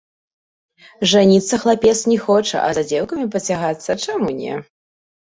Жаніцца хлапец не хоча, а за дзеўкамі пацягацца чаму не!